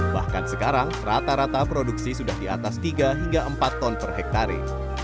bahkan sekarang rata rata produksi sudah di atas tiga hingga empat ton per hektare